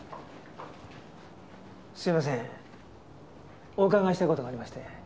すいませんお伺いしたい事がありまして。